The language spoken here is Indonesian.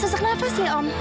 susah nafas ya om